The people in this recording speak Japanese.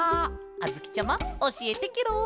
あづきちゃまおしえてケロ！